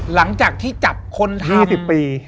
หลังจากที่จับคน๕๐ปี